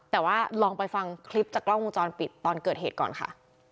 แต่ว่าลองไปฟังคลิปจากกล้องวงจรปิดตอนเกิดเหตุก่อนค่ะ